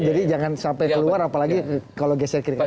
jangan sampai keluar apalagi kalau geser kiri kanan